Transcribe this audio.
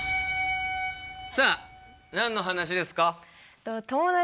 さあ何の話ですか？